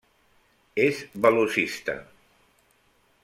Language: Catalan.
És velocista.